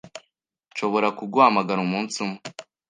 Nshobora kuguhamagara umunsi umwe?